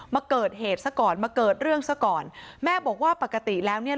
มาเกิดเหตุซะก่อนมาเกิดเรื่องซะก่อนแม่บอกว่าปกติแล้วเนี่ย